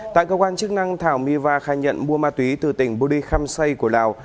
tại cơ quan chức năng thảo my va khai nhận mua ma túy từ tỉnh budi kham say của lào